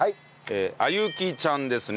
あゆきちゃんですね。